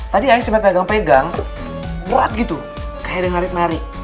tadi ais sempet pegang pegang berat gitu kayak ada ngarik nari